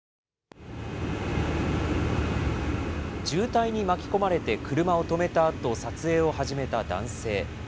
渋滞に巻き込まれて車を止めたあと、撮影を始めた男性。